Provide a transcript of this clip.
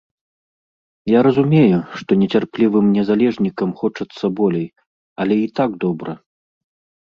Я разумею, што нецярплівым незалежнікам хочацца болей, але і так добра.